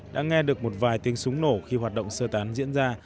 đã nghe được một vài tiếng súng nổ khi hoạt động sơ tán diễn ra